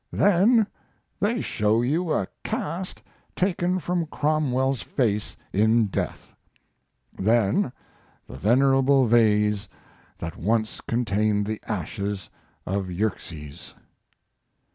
Then they show you a cast taken from Cromwell's face in death; then the venerable vase that once contained the ashes of Xerxes.